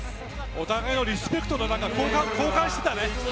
お互いのリスペクトを交換してたね。